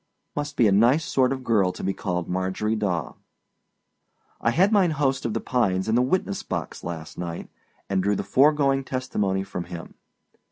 Must be a nice sort of girl to be called Marjorie Daw. I had mine host of The Pines in the witness box last night, and drew the foregoing testimony from him.